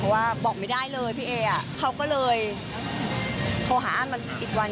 เพราะว่าบอกไม่ได้เลยพี่เอเขาก็เลยโทรหาอ้านมันอีกวัน